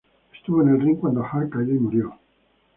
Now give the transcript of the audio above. Estuvo en el ring cuando Hart cayó y murió.